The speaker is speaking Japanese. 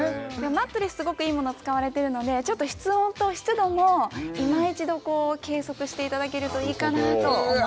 マットレスすごくいいもの使われているので室温と湿度もいまいちど計測していただけるといいかなと思います